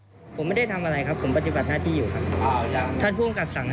ถ้อก็เหมือนผู้ชมเหตุราบในการจำอินเงินแล้วไม่ได้ตำรวจข้างนอก